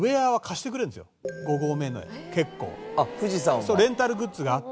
そうレンタルグッズがあって。